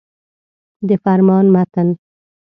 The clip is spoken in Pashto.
د فرمان متن.